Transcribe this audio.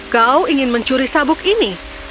kau ingin mencuri sabuk ini